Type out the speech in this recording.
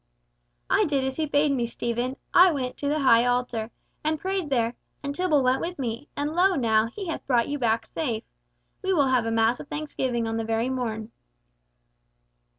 I did as he bade me, Stephen, I went to the high Altar, and prayed there, and Tibble went with me, and lo, now, He hath brought you back safe. We will have a mass of thanksgiving on the very morn."